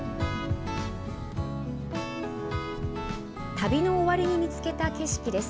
旅の終わりに見つけた景色です。